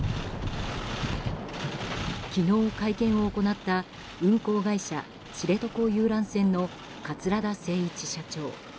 昨日、会見を行った運航会社知床遊覧船の桂田精一社長。